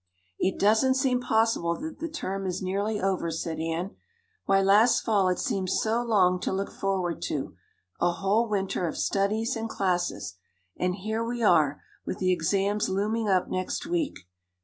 "It doesn't seem possible that the term is nearly over," said Anne. "Why, last fall it seemed so long to look forward to a whole winter of studies and classes. And here we are, with the exams looming up next week.